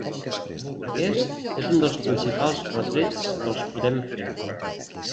Aquest és un dels principals retrets que els podem fer.